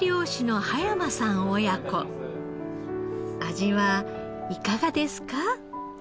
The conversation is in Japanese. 味はいかがですか？